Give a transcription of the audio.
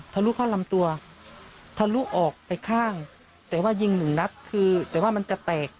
ลุเข้าลำตัวทะลุออกไปข้างแต่ว่ายิงหนึ่งนัดคือแต่ว่ามันจะแตก